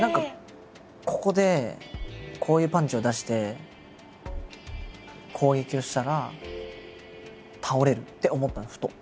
ここでこういうパンチを出して攻撃をしたら倒れるって思ったんですふと。